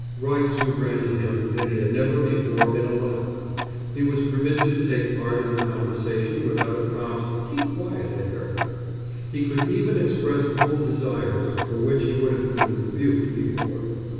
Rights were granted him that he had never before been allowed. He was permitted to take part in the conversation without a prompt "keep quiet, Edgar." He could even express bold desires for which he would have been rebuked before.